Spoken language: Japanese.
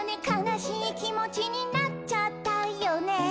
「かなしいきもちになっちゃったよね」